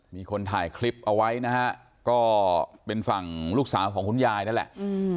มีคนถ่ายคลิปเอาไว้นะฮะก็เป็นฝั่งลูกสาวของคุณยายนั่นแหละอืม